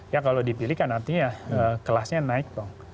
ya kalau dipilih kan artinya kelasnya naik dong